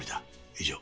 以上。